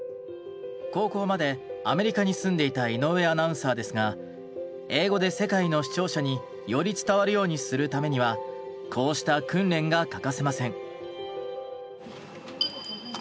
高校までアメリカに住んでいた井上アナウンサーですが英語で世界の視聴者により伝わるようにするためにはこうした訓練が欠かせません。